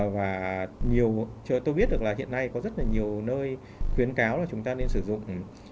và tôi biết được là hiện nay có rất là nhiều nơi khuyến cáo là chúng ta nên sử dụng